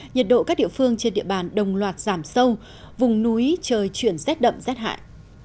nhiệt độ các địa phương trên địa bàn đồng loạt giảm sâu vùng núi trời chuyển rét đậm rét hại